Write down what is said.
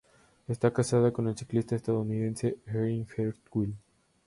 Está casada con el ciclista estadounidense Erin Hartwell.